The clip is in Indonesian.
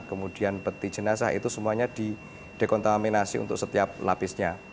kemudian peti jenazah itu semuanya didekontaminasi untuk setiap lapisnya